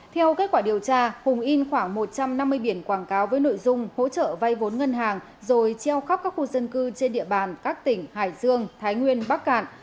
theo kết quả điều tra hùng in khoảng một trăm năm mươi biển quảng cáo với nội dung hỗ trợ vay vốn ngân hàng rồi treo khắp các khu dân cư trên địa bàn các tỉnh hải dương thái nguyên bắc cạn